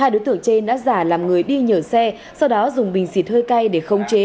hai đối tượng trên đã giả làm người đi nhờ xe sau đó dùng bình xịt hơi cay để khống chế